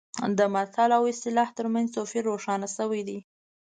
د متل او اصطلاح ترمنځ توپیر روښانه شوی دی